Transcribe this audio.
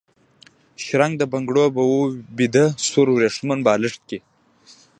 شرنګ د بنګړو، به و بیده سور وریښمین بالښت کي